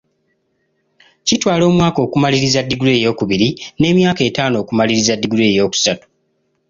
Kitwala omwaka okumaliriza diguli eyokubiri n'emyaka etaano okumaliriza diguli eyokusatu.